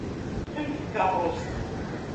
Qqim deg tkeṛṛust.